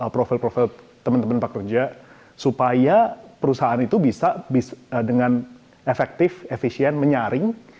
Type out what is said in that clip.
profil profil teman teman pekerja supaya perusahaan itu bisa dengan efektif efisien menyaring